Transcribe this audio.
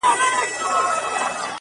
هوسۍ ولاړه يوې ليري كنډوالې ته؛